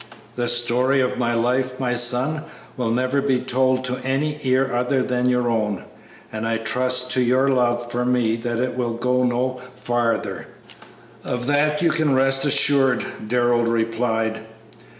"The story of my life, my son, will never be told to any ear other than your own, and I trust to your love for me that it will go no farther." "Of that you can rest assured," Darrell replied.